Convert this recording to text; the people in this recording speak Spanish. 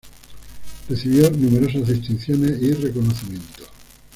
Recibió numerosas distinciones y reconocimientos.